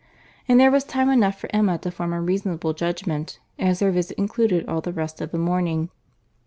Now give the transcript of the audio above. And there was time enough for Emma to form a reasonable judgment, as their visit included all the rest of the morning.